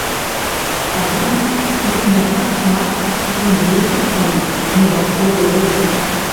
Аднак, іх не так шмат і ездзіць па іх не заўсёды зручна.